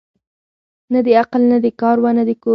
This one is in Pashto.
نه د عقل نه د کار وه نه د کور وه